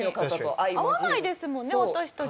会わないですもんね私たち。